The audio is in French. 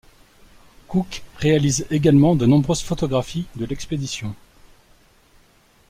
Cook réalise également de nombreuses photographies de l'expédition.